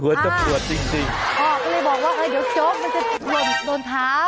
พ่อก็เลยบอกว่าเดี๋ยวโจ๊กมันจะย่นบนเท้า